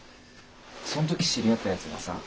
そん時知り合ったヤツがさ